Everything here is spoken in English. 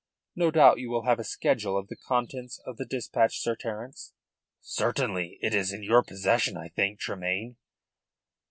No doubt you will have a schedule of the contents of the dispatch, Sir Terence?" "Certainly. It is in your possession, I think, Tremayne."